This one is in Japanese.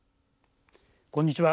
こんにちは。